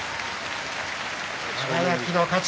輝の勝ち。